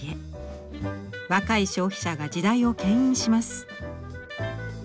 若い消費者が時代をけん引します。